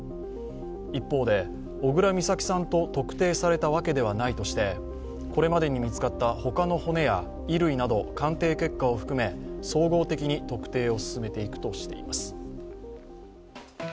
一方で、小倉美咲さんと特定されたわけではないとしてこれまでに見つかった他の骨や衣類など鑑定結果を含め総合的に特定を進めていくとしています。